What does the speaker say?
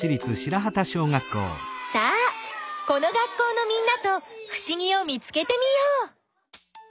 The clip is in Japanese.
さあこの学校のみんなとふしぎを見つけてみよう。